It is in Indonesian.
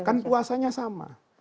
kan puasanya sama